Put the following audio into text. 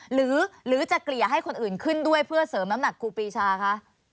หรือจะเกลี่ยให้คนอื่นขึ้นด้วยเพื่อเสริมน้ำหนักครูปีชาคะ